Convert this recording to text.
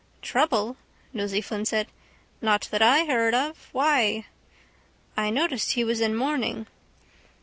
—Trouble? Nosey Flynn said. Not that I heard of. Why? —I noticed he was in mourning.